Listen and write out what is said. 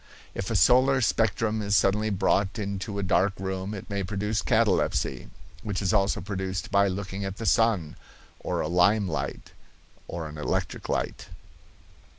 If a solar spectrum is suddenly brought into a dark room it may produce catalepsy, which is also produced by looking at the sun, or a lime light, or an electric light.